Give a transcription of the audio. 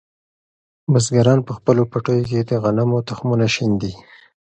بزګران په خپلو پټیو کې د غنمو تخمونه شیندي.